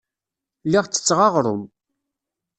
Lliɣ ttetteɣ aɣrum.